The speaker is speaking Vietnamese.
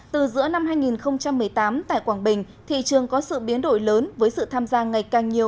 từ giữa năm hai nghìn một mươi tám tại quảng bình thị trường có sự biến đổi lớn với sự tham gia ngày càng nhiều